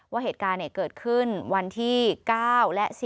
ว่าเหตุการณ์เกิดขึ้นวันที่๙และ๔